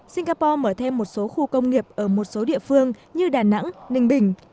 singapore mở thêm một số khu công nghiệp ở một số địa phương như đà nẵng ninh bình